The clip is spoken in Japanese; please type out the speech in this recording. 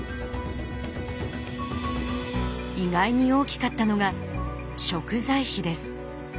意外に大きかったのが食材費です。